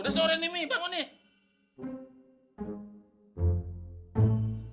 udah sore nih bangun nih